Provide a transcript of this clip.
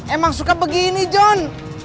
emang suka begini john